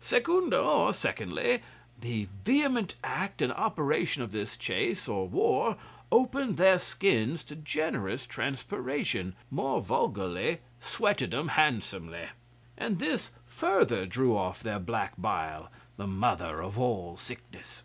Secundo, or secondly, the vehement act and operation of this chase or war opened their skins to generous transpiration more vulgarly, sweated 'em handsomely; and this further drew off their black bile the mother of sickness.